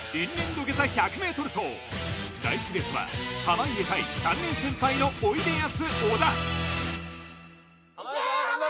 土下座１００ｍ走第１レースは濱家対３年先輩のおいでやす小田いけ濱家！